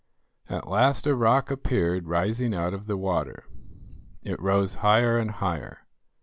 At last a rock appeared rising out of the water. It rose higher and higher.